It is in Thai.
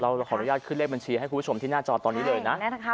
เราขออนุญาตขึ้นเลขบัญชีให้คุณผู้ชมที่หน้าจอตอนนี้เลยนะ